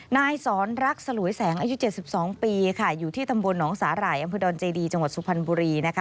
นายสอนรักสลุยแสงอายุเจ็ดสิบสองปีค่ะอยู่ที่ถำบลหนองสาหร่ายอำภูเดินเจดีแจงวัดสุพันบุรี